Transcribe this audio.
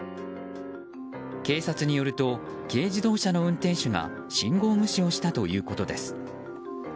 警察によると軽自動車の運転手が信号無視をしたということです。